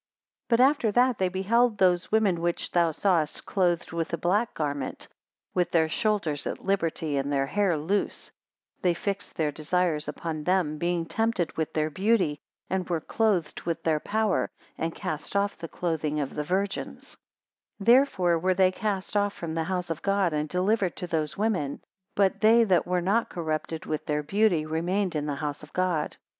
130 But after that they beheld those women which thou sawest clothed with a black garment, with their shoulders at liberty and their hair loose; they fixed their desires upon them, being tempted with their beauty; and were clothed with their power, and cast off the clothing of the virgins: 131 Therefore were they cast off from the house of God, and delivered to those women. But they that were not corrupted with their beauty, remained in the house of God.